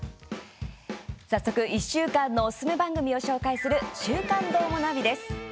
早速、１週間のおすすめ番組を紹介する「週刊どーもナビ」です。